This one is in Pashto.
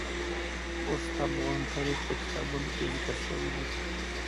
اوښ د افغان تاریخ په کتابونو کې ذکر شوی دي.